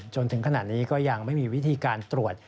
จนถึงขณะนี้ก็ยังไม่มีวิธีการตรวจ